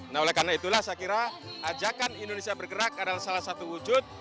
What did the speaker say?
nah oleh karena itulah saya kira ajakan indonesia bergerak adalah salah satu wujud